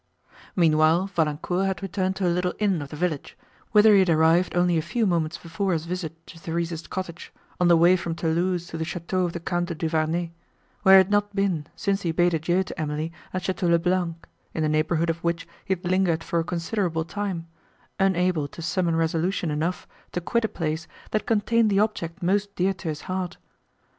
Meanwhile, Valancourt had returned to a little inn of the village, whither he had arrived only a few moments before his visit to Theresa's cottage, on the way from Thoulouse to the château of the Count de Duvarney, where he had not been since he bade adieu to Emily at Château le Blanc, in the neighbourhood of which he had lingered for a considerable time, unable to summon resolution enough to quit a place, that contained the object most dear to his heart.